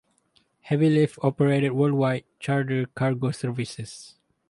Heavylift operated worldwide charter cargo services.